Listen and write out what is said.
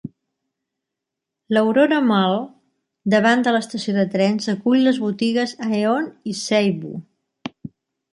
L'Aurora Mall, davant de l'estació de trens, acull les botigues Aeon i Seibu.